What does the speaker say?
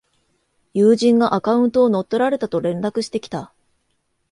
友人がアカウントを乗っ取られたと連絡してきた